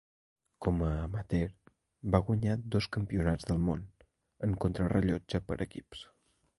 Com a amateur va guanyar dos Campionats del Món en contrarellotge per equips.